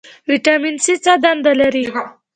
ویټامین سي څه دنده لري؟